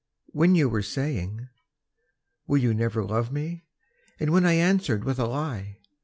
When you were saying, "Will you never love me?" And when I answered with a lie.